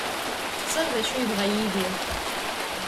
Ḥṣiɣ d acu yebɣa Yidir.